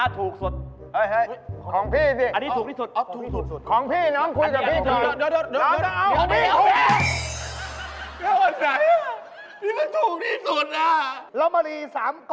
ถูกที่สุด